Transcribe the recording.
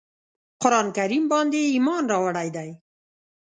قرآن کریم باندي ایمان راوړی دی.